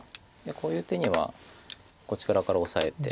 こういう手にはこっち側からオサえて。